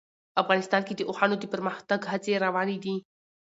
افغانستان کې د اوښانو د پرمختګ هڅې روانې دي.